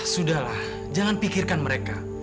sudahlah jangan pikirkan mereka